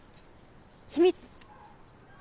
秘密！